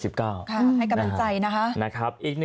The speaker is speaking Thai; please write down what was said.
ให้กำลังใจนะคะ